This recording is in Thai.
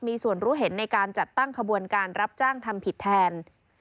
มีส่วนรู้เห็นในการจัดตั้งขบวนการรับจ้างทำผิดแทน